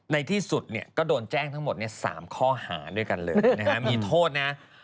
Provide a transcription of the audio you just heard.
ในที่สุดเนี่ยก็โดนแจ้งทั้งหมด๓ข้อหาด้วยกันเลยนะฮะมีโทษนะ